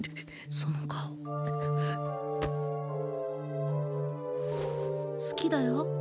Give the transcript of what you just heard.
その顔好きだよ